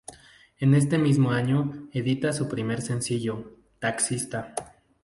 En este mismo año edita su primer sencillo: "Taxista".